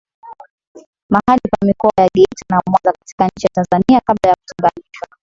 Mahali pa Mikoa ya Geita na Mwanza katika nchi ya Tanzania kabla ya kutenganishwa